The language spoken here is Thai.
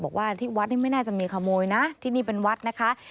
บอกว่าที่วัดนี่ไม่น่าจะมีขโมยนะที่นี่เป็นวัดนะคะ